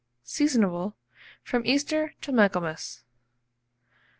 Seasonable from Easter to Michaelmas.